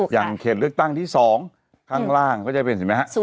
อย่างเขตเลือกตั้งที่๒ข้างล่างก็จะเป็น๐๐๒